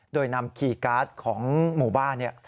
โดยนำคีย์การ์ดของหมู่บ้าน